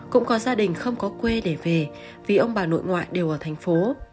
cũng có gia đình không có quê để về vì ông bà nội ngoại đều ở thành phố